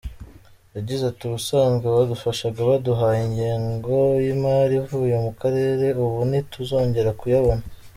Yagize ati « Ubusanzwe badufashaga baduhaye ingengo y’imari ivuye mu Karere, ubu ntituzongera kuyabona.